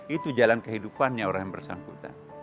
itu jalan kehidupannya orang yang bersangkutan